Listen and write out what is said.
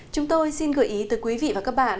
chúng tôi xin gợi ý từ quý vị và các bạn